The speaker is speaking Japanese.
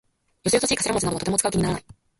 よそよそしい頭文字などはとても使う気にならない。